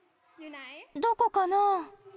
どこかな？